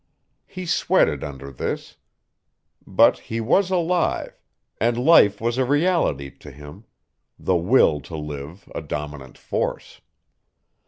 He sweated under this. But he was alive, and life was a reality to him, the will to live a dominant force.